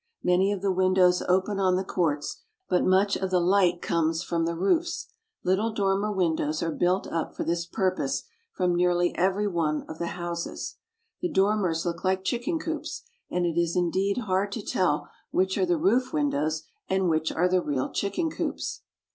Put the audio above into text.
Many of the windows open on the courts, but much of the light comes from the roofs. Little dormer windows are built up for this purpose from nearly every one of the houses. The dormers look like chicken coops, and it is indeed hard to tell which are the roof windows and which are the real chicken coops.